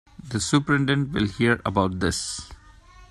The superintendent will hear about this.